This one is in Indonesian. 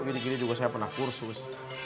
gini gini juga saya pernah kursus